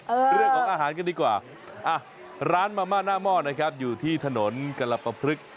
เรื่องของอาหารกันดีกว่าอ่ะร้านมาม่าหน้าหม้อนะครับอยู่ที่ถนนกรปพลึก